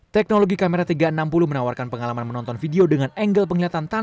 teknologi kamera tiga ratus enam puluh menawarkan pengalaman menonton video dengan angle penglihatan tanah